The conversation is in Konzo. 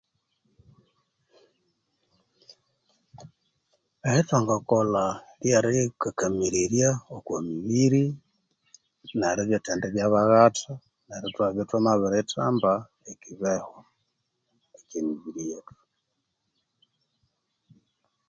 Ebya thwanga kolha lyeri yiyikaka- mirirya oko mibiri, neri thendibya baghatha neryo ithwabya ithwa mabirithamba ....poor voice quality